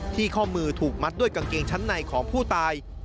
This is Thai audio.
ข้อมือถูกมัดด้วยกางเกงชั้นในของผู้ตาย